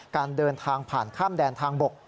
การเดินทางผ่านข้ามแดนทางบก